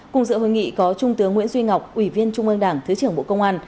cùng dự hội nghị có trung tướng nguyễn duy ngọc ủy viên trung ương đảng thứ trưởng bộ công an